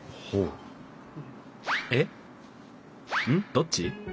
どっち！？